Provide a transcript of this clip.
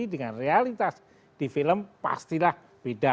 dengan realitas di film pastilah beda